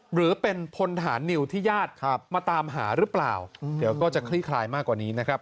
หรือเป็นพลฐานนิวที่ญาติมาตามหาหรือเปล่าเดี๋ยวก็จะคลี่คลายมากกว่านี้นะครับ